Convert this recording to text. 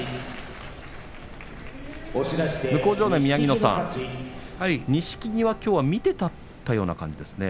向正面の宮城野さん錦木はきょうは見て立ったような感じですね。